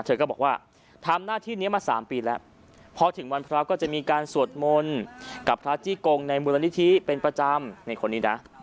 เธอก็บอกว่าทำหน้าที่นี้มา๓ปีแล้วพอถึงวันพระก็จะมีการสวดมนต์กับพระจี้กงในมูลนิธิเป็นประจำในคนนี้นะ